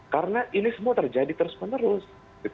karena ini semua terjadi terus menerus